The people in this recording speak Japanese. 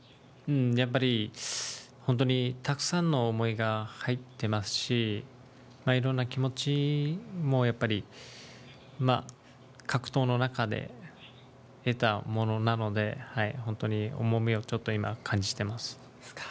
やっぱり本当にたくさんの思いが入ってますし、いろんな気持ちもやっぱり、格闘の中で得たものなので、本当に重みをちょっと今、感じてます。